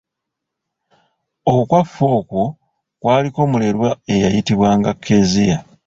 Okwaffe okwo kwaliko mulerwa eyayitibwanga Kezia.